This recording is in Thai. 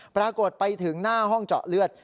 ปรากฏไปถึงหน้าห้องเจาะเลือด